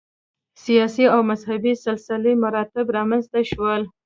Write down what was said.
سیاسي او مذهبي سلسله مراتب رامنځته شول